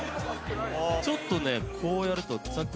ちょっとねこうやるとさっき。